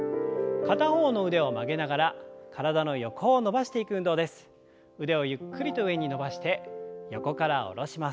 片方の腕を曲げながら体の横を伸ばします。